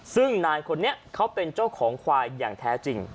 ซึ่งนายคนนี้เขาเป็นเจ้าของควายอย่างแท้จริง